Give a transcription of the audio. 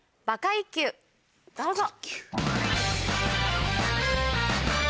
どうぞ。